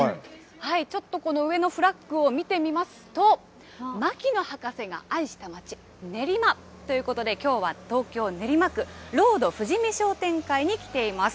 ちょっとこの上のフラッグを見てみますと、牧野博士が愛した街、練馬ということで、きょうは東京・練馬区、ロードふじみ商店会に来ています。